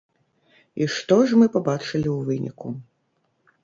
І што ж мы пабачылі ў выніку?